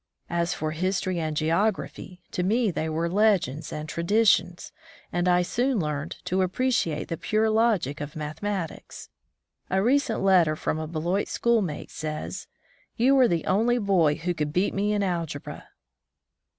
As for history and geography, to me they were legends and traditions, and I soon learned to appreciate the pure logic of mathematics. A recent letter from a Beloit schoolmate says, "You were the only boy who could beat me in algebra